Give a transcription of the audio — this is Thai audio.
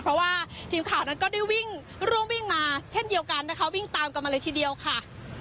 เพราะว่าทีมข่าวนั้นก็ได้วิ่งร่วมวิ่งมาเช่นเดียวกันนะคะวิ่งตามกันมาเลยทีเดียวค่ะ